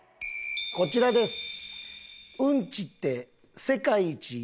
こちらです。